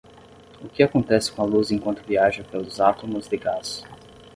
O que acontece com a luz enquanto viaja pelos átomos de gás?